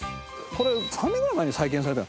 これ３年ぐらい前に再建された。